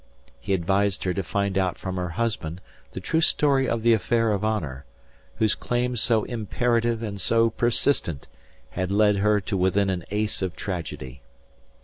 He advised her to find out from her husband the true story of the affair of honour, whose claim so imperative and so persistent had led her to within an ace of tragedy.